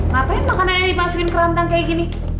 ngapain makanan ini dimasukin ke rantang kayak gini